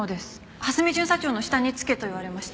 蓮見巡査長の下につけと言われまして。